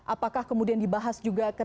apakah kemudian dibahas juga